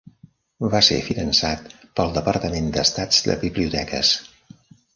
Va ser finançat pel Departament d'Estat de Biblioteques.